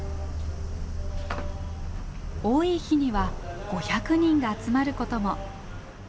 多い日には５００人が集まることも。